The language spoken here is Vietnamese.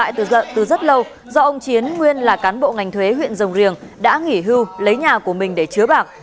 nguyễn thị kim xuyến nguyên là cán bộ ngành thuế huyện rồng riềng đã nghỉ hưu lấy nhà của mình để chứa bạc